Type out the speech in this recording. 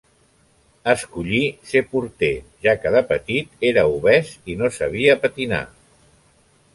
Escollí ser porter, ja que de petit era obès i no sabia patinar.